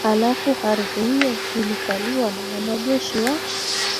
Halafu ardhi hiyo ilikaliwa na wanajeshi wa